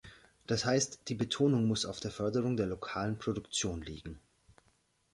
Das heißt, die Betonung muss auf der Förderung der lokalen Produktion liegen.